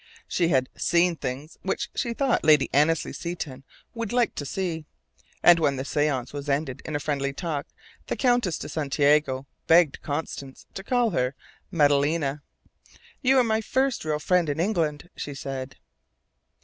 She had "seen things" which she thought Lady Annesley Seton would like her to see, and when the séance was ended in a friendly talk, the Countess de Santiago begged Constance to call her Madalena. "You are my first real friend in England!" she said.